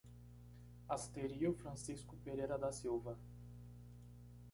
Asterio Francisco Pereira da Silva